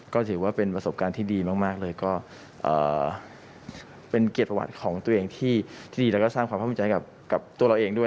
ก็ถือว่าเป็นประสบการณ์ที่ดีมากเลยก็เป็นเกียรติประวัติของตัวเองที่ดีแล้วก็สร้างความเข้าใจกับตัวเราเองด้วย